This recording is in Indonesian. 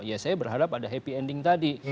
ya saya berharap ada happy ending tadi